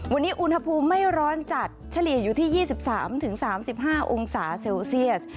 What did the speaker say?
วันนี้อุณหภูมิไม่ร้อนจัดเฉลี่ยอยู่ที่ยี่สิบสามถึงสามสิบห้าองศาเซลเซียส